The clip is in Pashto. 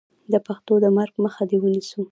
د پښتو د مرګ مخه دې ونیسو.